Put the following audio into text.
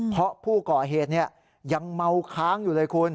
เพราะผู้ก่อเหตุยังเมาค้างอยู่เลยคุณ